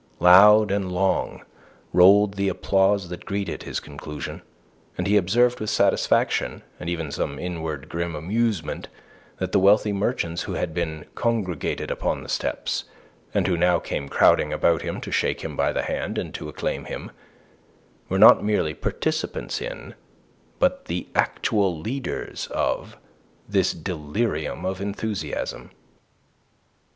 Loud and long rolled the applause that greeted his conclusion, and he observed with satisfaction and even some inward grim amusement that the wealthy merchants who had been congregated upon the steps, and who now came crowding about him to shake him by the hand and to acclaim him, were not merely participants in, but the actual leaders of, this delirium of enthusiasm.